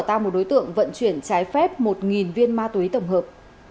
tăng một đối tượng vận chuyển trái phép một viên ma túy tổng hợp